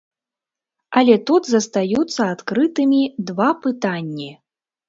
Але тут застаюцца адкрытымі два пытанні.